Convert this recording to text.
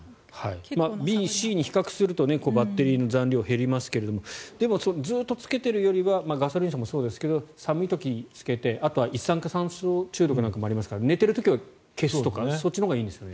Ｂ、Ｃと比較するとバッテリー残量は減りますがでもずっとつけているよりはガソリン車もそうですが寒い時につけて、あとは一酸化炭素中毒もありますから寝ている時は消すとかそっちのほうがいいんですかね。